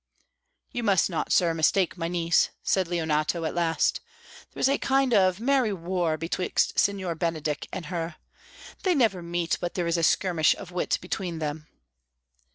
"You must not, sir, mistake my niece," said Leonato at last. "There is a kind of merry war betwixt Signor Benedick and her; they never meet but there is a skirmish of wit between them."